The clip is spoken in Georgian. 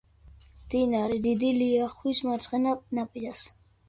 მდინარე დიდი ლიახვის მარცხენა ნაპირას.